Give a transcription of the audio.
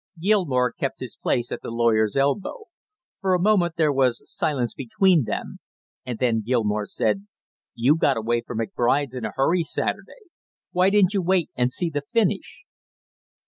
Gilmore kept his place at the lawyer's elbow. For a moment there was silence between them, and then Gilmore said: "You got away from McBride's in a hurry Saturday; why didn't you wait and see the finish?"